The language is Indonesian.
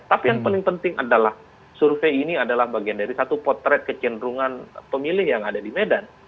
tapi yang paling penting adalah survei ini adalah bagian dari satu potret kecenderungan pemilih yang ada di medan